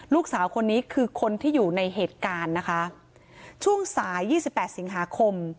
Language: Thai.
ลูกสาวคนนี้คือคนที่อยู่ในเหตุการณ์นะคะช่วงสายยี่สิบแปดสิงหาคม